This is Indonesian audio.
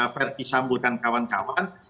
ferdi sambu dan kawan kawan